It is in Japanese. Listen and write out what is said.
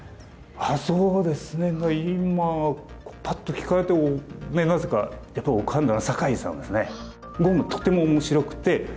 そうですね今パッと聞かれてなぜかやっぱ浮かんだのは酒井さんですね。